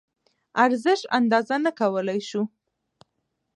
ارزش اندازه نه کولی شو.